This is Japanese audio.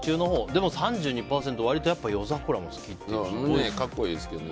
でも３２％割と夜桜も好きな人多いですね。